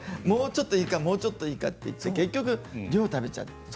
もうちょっといいかもうちょっといいかと結局、量を食べちゃって。